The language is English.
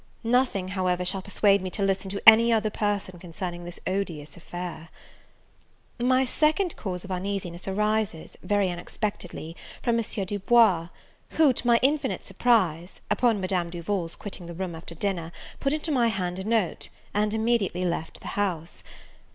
Nothing, however, shall persuade me to listen to any other person concerning this odious affair. My second cause of uneasiness arises, very unexpectedly, from M. Du Bois; who, to my infinite surprise, upon Madame Duval's quitting the room after dinner, put into my hand a note, and immediately left the house.